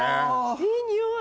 いい匂い！